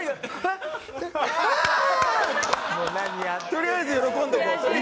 とりあえず喜んでおこうって。